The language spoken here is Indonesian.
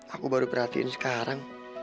aku baru perhatiin sekarang